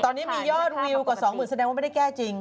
ตอนนี้มียอดวิวกว่า๒๐๐๐แสดงว่าไม่ได้แก้จริง